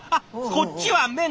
こっちは麺だ。